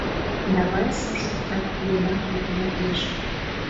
Да вальсым шокта Йомартле мардеж.